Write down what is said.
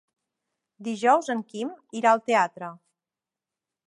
Dijous en Quim irà al teatre.